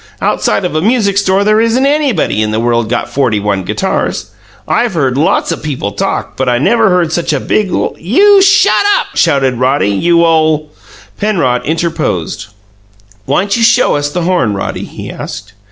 Outside of a music store there isn't anybody in the world got forty one guitars! I've heard lots o' people TALK, but I never heard such a big l " "You shut up!" shouted Roddy. "You ole " Penrod interposed. "Why'n't you show us the horn, Roddy?" he asked.